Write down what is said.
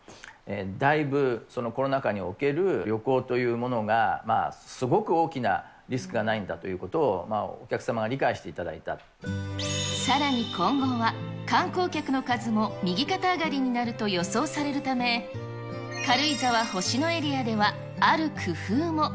だいぶそのコロナ禍における旅行というものが、すごく大きなリスクがないんだということをお客様が理解していたさらに今後は、観光客の数も右肩上がりになると予想されるため、軽井沢星野エリアでは、ある工夫も。